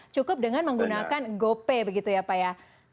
cukup dengan menggunakan gopay begitu ya pak ya